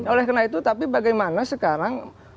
oleh karena itu tapi bagaimana sekarang